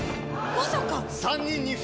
まさか！